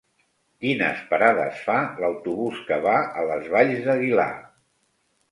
Quines parades fa l'autobús que va a les Valls d'Aguilar?